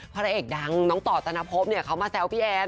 พระเอกดังน้องต่อตนภพเขามาแซวพี่แอน